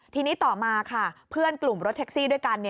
ทีนี้ต่อมาค่ะเพื่อนกลุ่มรถแท็กซี่ด้วยกัน